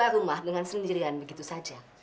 rumah dengan sendirian begitu saja